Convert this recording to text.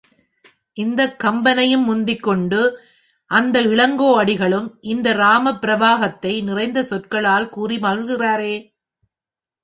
இந்தக் கம்பனையும் முந்திக்கொண்டு அந்த இளங்கோ அடிகளும் இந்த ராமப் பிரபாவத்தை நிறைந்த சொற்களால் கூறி மகிழ்கிறாரே.